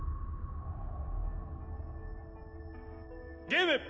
ゲーム！